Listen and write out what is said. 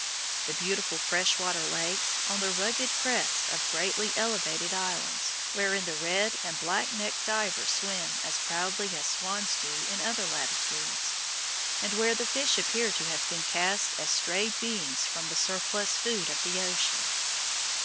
The beautiful freshwater lakes, on the rugged crests of greatly elevated islands, wherein the Red and Black necked Divers swim as proudly as swans do in other latitudes, and where the fish appear to have been cast as strayed beings from the surplus food of the ocean.